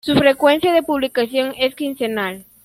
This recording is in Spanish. Su frecuencia de publicación es quincenal.